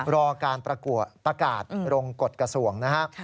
รอการประกวดประกาศรงกฎกระทรวงนะฮะ